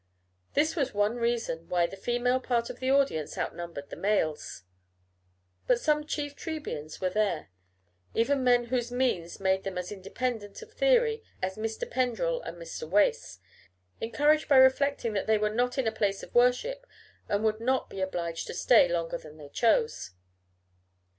This was one reason why the female part of the audience outnumbered the males. But some chief Trebians were there, even men whose means made them as independent of theory as Mr. Pendrell and Mr. Wace; encouraged by reflecting that they were not in a place of worship, and would not be obliged to stay longer than they chose.